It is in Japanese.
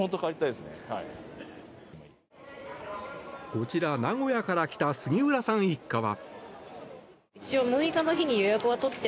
こちら、名古屋から来た杉浦さん一家は。